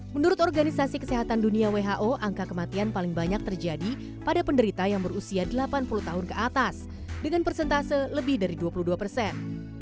menurut organisasi kesehatan dunia who angka kematian paling banyak terjadi pada penderita yang berusia delapan puluh tahun ke atas dengan persentase lebih dari dua puluh dua persen